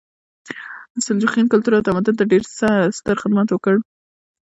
سلجوقیانو کلتور او تمدن ته ډېر ستر خدمت وکړ.